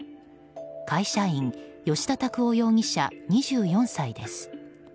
会社員葭田拓央容疑者、２４歳です。